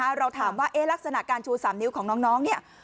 ถ้าเราถามว่าลักษณะการชูสามนิ้วของน้องนี่